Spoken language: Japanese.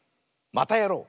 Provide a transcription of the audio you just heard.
「またやろう！」。